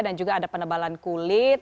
dan juga ada penebalan kulit